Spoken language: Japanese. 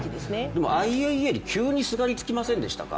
でもＩＡＥＡに急にすがりつきませんでしたか？